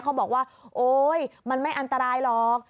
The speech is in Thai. เขาบอกว่าโอ๊ยมันไม่อันตรายหรอก